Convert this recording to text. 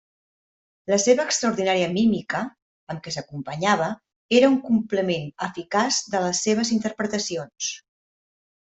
La seva extraordinària mímica, amb què s'acompanyava, era un complement eficaç de les seves interpretacions.